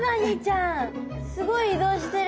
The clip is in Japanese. すごい移動してる。